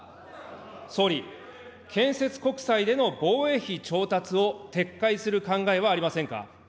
総理、建設国債での防衛費調達を撤回する考えはありませんか。